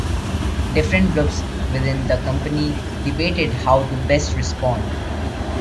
Different groups within the company debated how to best respond.